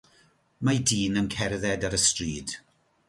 Mae dyn yn cerdded ar y stryd.